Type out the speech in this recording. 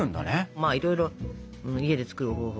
まあいろいろ家で作る方法が。